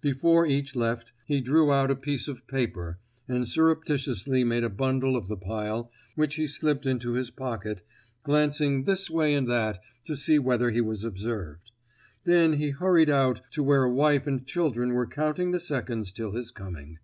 Before each left, he drew out a piece of paper and surreptitiously made a bundle of the pile, which he slipped into his pocket, glancing this way and that to see whether he was observed. Then he hurried out to where a wife and children were counting the seconds till his coming.